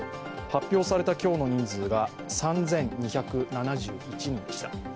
発表された今日の人数は３２７１人でした。